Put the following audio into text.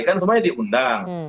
kan semuanya diundang